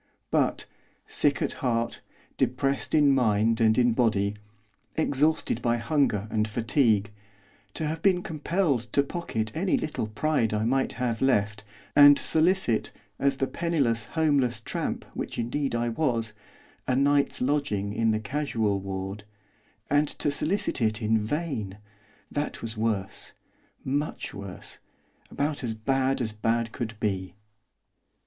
But, sick at heart, depressed in mind and in body, exhausted by hunger and fatigue, to have been compelled to pocket any little pride I might have left, and solicit, as the penniless, homeless tramp which indeed I was, a night's lodging in the casual ward, and to solicit it in vain! that was worse. Much worse. About as bad as bad could be.